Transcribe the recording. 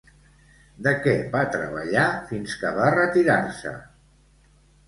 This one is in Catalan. De què va treballar fins que va retirar-se?